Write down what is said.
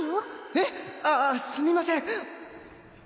えっ！ああすみません。